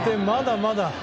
まだまだ！